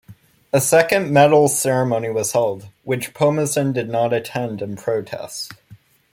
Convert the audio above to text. A second medal ceremony was held, which Pomazan did not attend in protest.